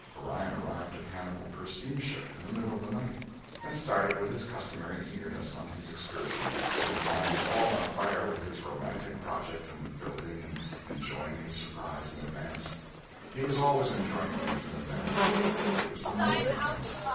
Orion arrived at Hannibal per steamboat in the middle of the night, and started with his customary eagerness on his excursion, his mind all on fire with his romantic project and building and enjoying his surprise in advance. He was always enjoying things in advance; it was the make of him.